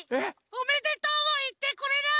「おめでとう」もいってくれない！